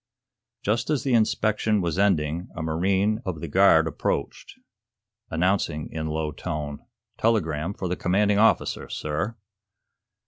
Just as the inspection was ending, a marine of the guard approached, announcing in a low tone: "Telegram for the commanding officer, sir."